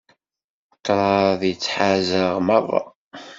Ṭṭraḍ yettḥaz-aɣ merra.